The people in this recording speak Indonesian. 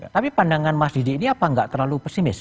tapi pandangan mas didi ini apa nggak terlalu pesimis